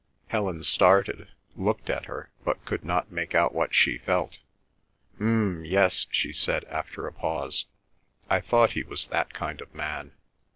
Helen started, looked at her, but could not make out what she felt. "M m m'yes," she said, after a pause. "I thought he was that kind of man."